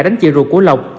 đánh chị ruột của lộc